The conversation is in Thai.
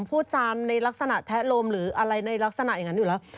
พูดจานในลักษณะแทะลมหรืออะไรในลักษณะอย่างนั้นอยู่แล้ว